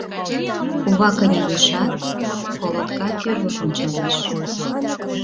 Кува кынелешат, колотка кӧргыш ончалеш...